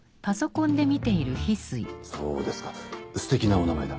そうですかステキなお名前だ。